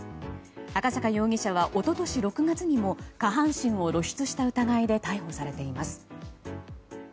赤坂容疑者は、一昨年６月にも下半身を露出した疑いで逮捕されています。